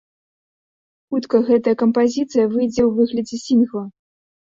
Хутка гэтая кампазіцыя выйдзе ў выглядзе сінгла.